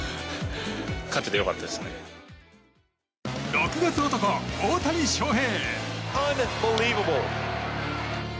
６月男、大谷翔平。